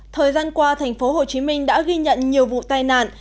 thời gian qua thành phố hồ chí minh đã ghi nhận nhiều vụ tai nạn